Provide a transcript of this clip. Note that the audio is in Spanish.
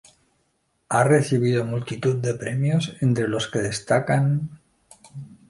Ha recibido multitud de premios, entre los que destacan:.